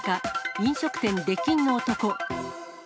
飲食店出禁の男。